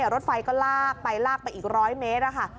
รถไฟก็ลากไปลากไปอีก๑๐๐เมตรค่ะ